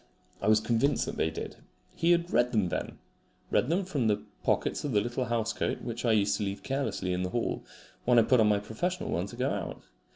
I was convinced that they did. He had read them then read them from the pockets of the little house coat which I used to leave carelessly in the hall when I put on my professional one to go out.